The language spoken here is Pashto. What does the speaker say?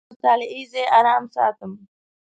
زه د مطالعې ځای آرام ساتم.